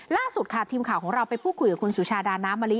ล่าสุดค่ะทีมข่าวของเราไปพูดคุยกับคุณสุชาดาน้ำมะลิ